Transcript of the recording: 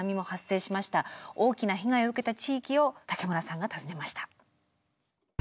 大きな被害を受けた地域を武村さんが訪ねました。